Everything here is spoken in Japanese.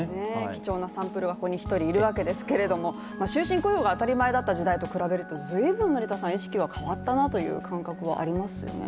貴重なサンプルがここに１人いるわけですけども、終身雇用が当たり前だった時代と比べると随分意識が変わったなという感じですよね。